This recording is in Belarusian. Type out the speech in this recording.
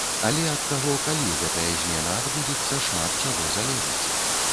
Але ад таго, калі гэтая змена адбудзецца, шмат чаго залежыць.